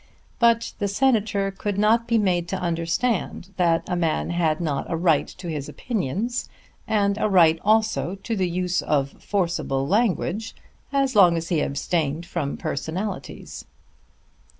But the Senator could not be made to understand that a man had not a right to his opinions, and a right also to the use of forcible language as long as he abstained from personalities.